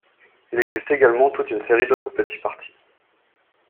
Il existe également tout une série d'autres petits partis.